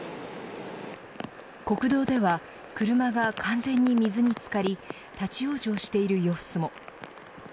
国道では車が完全に水につかり立ち往生している様子も。